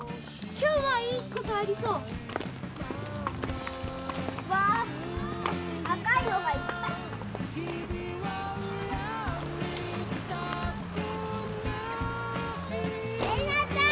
今日もいいことありそうわあ赤いのがいっぱいえりなちゃん